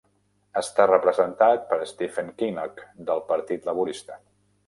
Està representat per Stephen Kinnock del Partit Laborista.